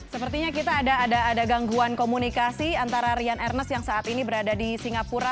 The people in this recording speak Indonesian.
sepertinya kita ada gangguan komunikasi antara rian ernest yang saat ini berada di singapura